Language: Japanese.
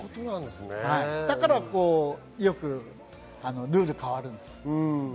だからルールが変わるんです。